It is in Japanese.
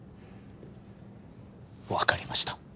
わかりました。